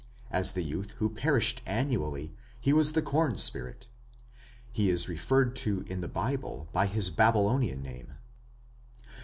As the youth who perished annually, he was the corn spirit. He is referred to in the Bible by his Babylonian name.